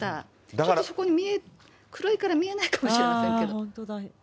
ちょっとそこに、黒いから見えないかもしれないですけど。